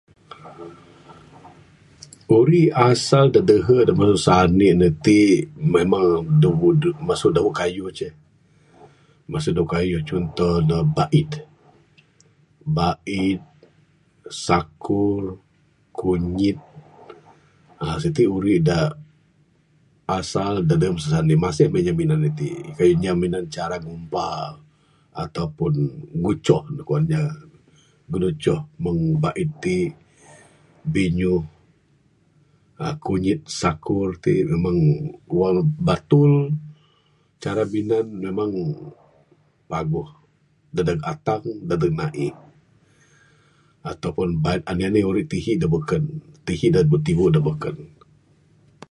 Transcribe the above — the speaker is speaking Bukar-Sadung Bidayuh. Uri asal da dehe masu sani ne ti memang [unintelligible] masu dawe kayuh ce. Masu dawe kayuh da da baid. Baid sakul, kunyit. aaa siti uri da asal da [unintelligible] Masih inya minan ne itin kayuh inya minan cara ngumpa ato pun ngucon ne kuan inya, melucoh meng baid, binyuh, kunyit sakur walau batul cara minan memang paguh dadeg atang dadeg naih ato pun bait anih anih uri tihi da beken. Tihi da tibu da beken.